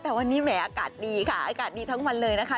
แต่วันนี้แหมอากาศดีค่ะอากาศดีทั้งวันเลยนะคะ